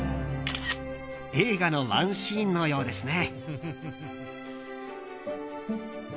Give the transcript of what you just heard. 映画のワンシーンのようですね。